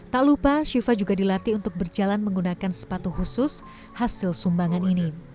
tak lupa shiva juga dilatih untuk berjalan menggunakan sepatu khusus hasil sumbangan ini